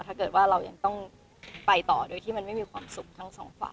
ถ้าเกิดว่าเรายังต้องไปต่อโดยที่มันไม่มีความสุขทั้งสองฝั่ง